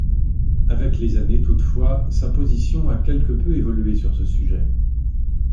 Avec les années toutefois, sa position a quelque peu évolué sur ce sujet.